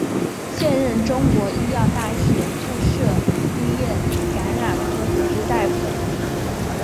现任中国医药大学附设医院感染科主治医师。